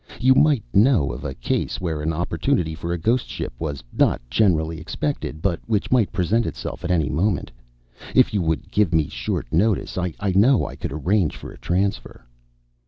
You might know of a case where an opportunity for a ghost ship was not generally expected, but which might present itself at any moment. If you would give me a short notice, I know I could arrange for a transfer."